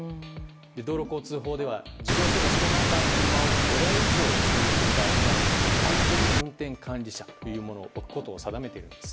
道路交通法では事業所で白ナンバーの車を５台以上所有する場合には安全運転管理者というものを置くことを定めています。